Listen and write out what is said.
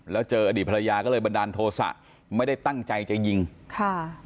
แล้วเจออดีตภรรยาก็เลยบันดาลโทษะไม่ได้ตั้งใจจะยิงค่ะ